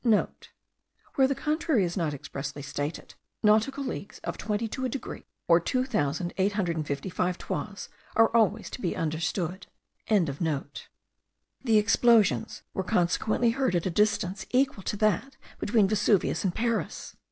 *(* Where the contrary is not expressly stated, nautical leagues of twenty to a degree, or two thousand eight hundred and fifty five toises, are always to be understood.) The explosions were consequently heard at a distance equal to that between Vesuvius and Paris.